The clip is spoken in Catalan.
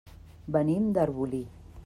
Venim d'Arbolí.